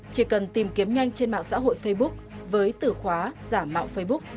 chỉ cần tìm kiếm nhanh trên mạng xã hội facebook với từ khóa giả mạo facebook